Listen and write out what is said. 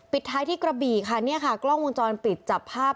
ท้ายที่กระบี่ค่ะเนี่ยค่ะกล้องวงจรปิดจับภาพ